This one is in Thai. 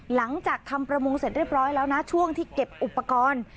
หลังจากทำประมงเสร็จเรียบร้อยแล้วนะช่วงที่เก็บอุปกรณ์